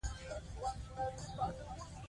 د زده کړې مور د کورنۍ په روغتیا کې مهم رول لوبوي.